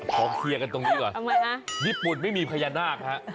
พอกเคียกกันตรงนี้ก่อนญี่ปุ่นไม่มีพยานรนะครับ